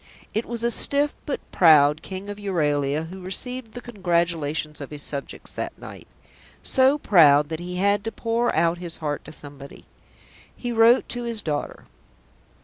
It was a stiff but proud King of Euralia who received the congratulations of his subjects that night; so proud that he had to pour out his heart to somebody. He wrote to his daughter.